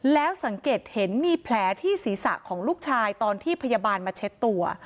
แล้วสังเกตเห็นมีแผลที่ศีรษะของลูกชายตอนที่พยาบาลมาเช็ดตัว